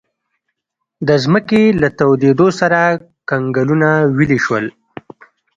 د ځمکې له تودېدو سره کنګلونه ویلې شول.